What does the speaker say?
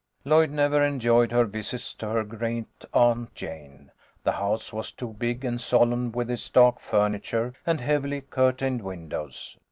Lloyd never enjoyed her visits to her great aunt Jane. The house was too big and solemn with its dark furniture and heavily curtained windows.